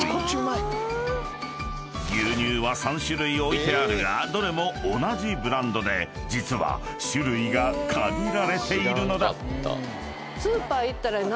［牛乳は３種類置いてあるがどれも同じブランドで実は種類が限られているのだ］